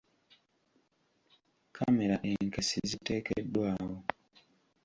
Kkamera enkessi ziteekeddwawo.